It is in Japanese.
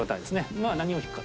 まあ何を引くか。